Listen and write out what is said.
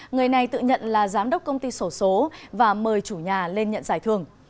người này tự nhận là giám đốc công ty sổ số và mời chủ nhà lên nhận giải thưởng